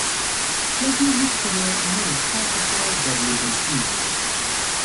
له دې لیک سره مل تاسو ته درلیږل کیږي